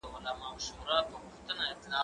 زه پرون د کتابتون د کار مرسته کوم،